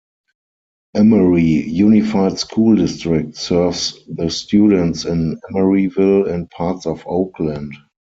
Emery Unified School District serves the students in Emeryville and parts of Oakland.